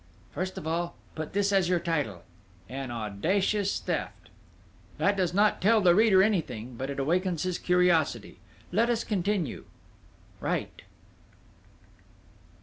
"First of all, put this as your title: An Audacious Theft "That does not tell the reader anything, but it awakens his curiosity.... Let us continue! "Write."